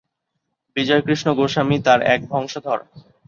বিজয়কৃষ্ণ গোস্বামী তার এক বংশধর।